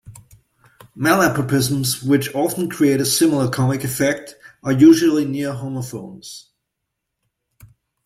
Malapropisms, which often create a similar comic effect, are usually near-homophones.